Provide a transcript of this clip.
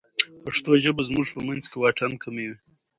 پښتو ژبه زموږ په منځ کې واټن کموي.